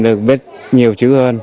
được biết nhiều chữ hơn